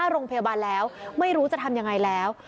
โรงพยาบาลแล้วไม่รู้จะทำยังไงแล้ว